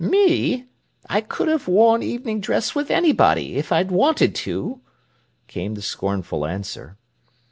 "Me! I could have worn evening dress with anybody, if I'd wanted to!" came the scornful answer.